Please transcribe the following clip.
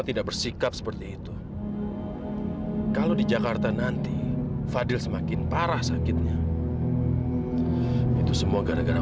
tidak bersikap seperti itu kalau di jakarta nanti fadil semakin parah sakitnya itu semua gara gara